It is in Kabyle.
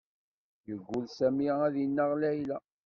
Yeggul Sami ad ineɣ Layla.